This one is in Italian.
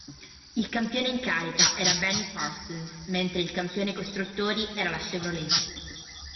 Il campione in carica era Benny Parsons mentre il campione costruttori era la Chevrolet.